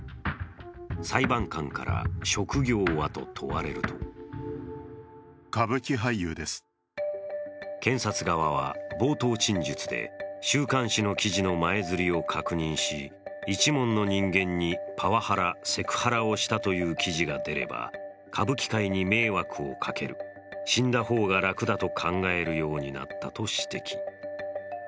裁判官から職業は？と問われると検察側は冒頭陳述で週刊誌の記事の前刷りを確認し一門の人間にパワハラ、セクハラをしたという記事が出れば歌舞伎界に迷惑をかける、死んだ方が楽だと考えるようになったと指摘。